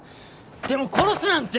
でも殺すなんて。